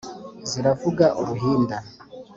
Ziravuga uruhinda